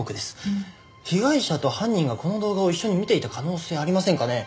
被害者と犯人がこの動画を一緒に見ていた可能性ありませんかね？